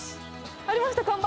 ありました、看板。